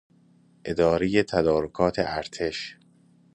اداره تدارکات ارتش